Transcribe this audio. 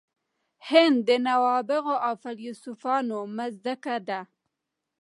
هند د نوابغو او فیلسوفانو مځکه ده.